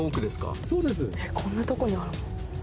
えっこんなとこにあるの？